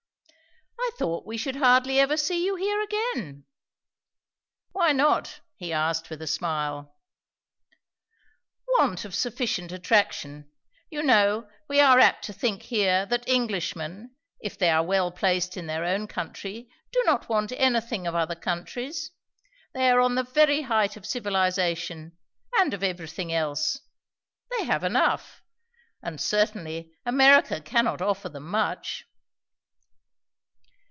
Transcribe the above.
"I thought we should hardly ever see you here again." "Why not?" he asked with a smile. "Want of sufficient attraction. You know, we are apt to think here that Englishmen, if they are well placed in their own country, do not want anything of other countries. They are on the very height of civilization, and of everything else. They have enough. And certainly, America cannot offer them much."